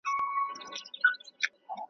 موږ یې په لمبه کي د زړه زور وینو .